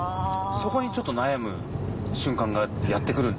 そこにチョット悩む瞬間がやって来るんですよね。